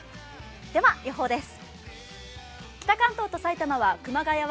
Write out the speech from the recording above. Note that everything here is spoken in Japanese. では予報です。